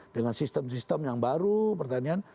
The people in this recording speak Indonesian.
dengan sistem sistem yang baru pertanian